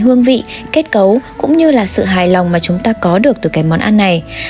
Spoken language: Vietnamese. hương vị kết cấu cũng như là sự hài lòng mà chúng ta có được từ cái món ăn này